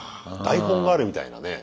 台本があるみたいなね。